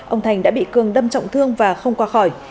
ông thành đã bị cường đâm trọng thương và không qua khỏi